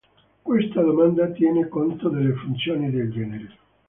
Questa domanda tiene conto delle funzioni del genere.